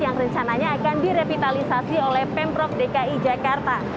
yang rencananya akan direvitalisasi oleh pemprov dki jakarta